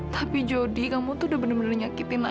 tapi jody kamu tuh udah bener bener nyakitin aku